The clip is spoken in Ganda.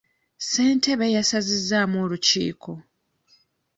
Ssentebe yasazizaamu olukiiko.